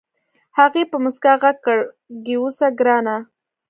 هغې په موسکا غږ کړ کېوځه ګرانه.